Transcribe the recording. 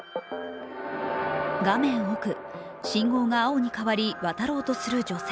画面奥、信号が青に変わり、渡ろうとする女性。